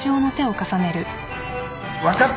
分かった！